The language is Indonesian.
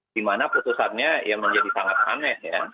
di mana keputusannya ya menjadi sangat aneh ya